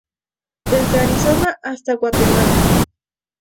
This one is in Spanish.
Desde Arizona hasta Guatemala.